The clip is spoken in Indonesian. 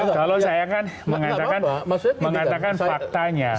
kalau saya kan mengatakan faktanya